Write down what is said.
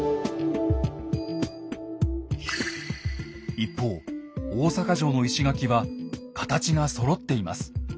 一方大坂城の石垣は形がそろっています。